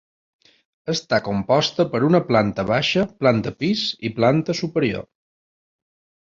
Està composta per una planta baixa, planta pis i planta superior.